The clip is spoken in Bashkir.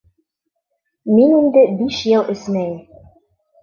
Мин инде биш йыл эсмәйем.